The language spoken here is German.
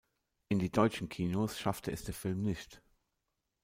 In die deutschen Kinos schaffte es der Film nicht.